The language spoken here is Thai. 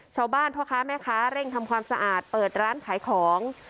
พ่อค้าแม่ค้าเร่งทำความสะอาดเปิดร้านขายของ